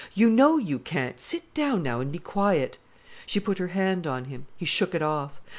"You know you can't. Sit down now an' be quiet." She put her hand on him. He shook it off.